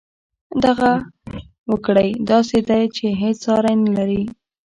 دغه وګړی داسې دی چې هېڅ ساری نه لري